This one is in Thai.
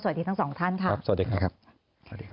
สวัสดีทั้งสองท่านค่ะสวัสดีครับ